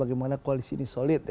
bagaimana koalisi ini solid